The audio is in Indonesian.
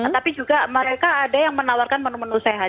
tapi juga mereka ada yang menawarkan menu menu sehat